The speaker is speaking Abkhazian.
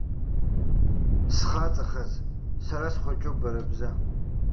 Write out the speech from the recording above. Схаҵахаз, сара схәыҷуп бара бзы.